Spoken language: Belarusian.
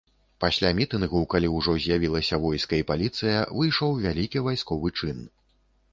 Пасля мітынгу, калі ўжо з'явілася войска і паліцыя, выйшаў вялікі вайсковы чын.